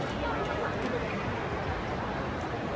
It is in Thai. สำหรับลำดับสักไปค่ะ